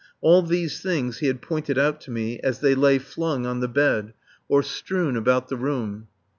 All these things he had pointed out to me as they lay flung on the bed or strewn about the room.